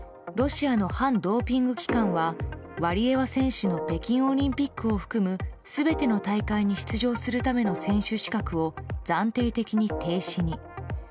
ロシアの反ドーピング機関はワリエワ選手の北京オリンピックを含む全ての大会に出場するための選手資格を暫定的に停止に。